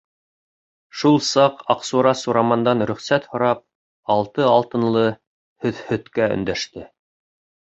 Шул саҡ Аҡсура Сурамандан рөхсәт һорап, Алты Алтынлы һөҙһөткә өндәште.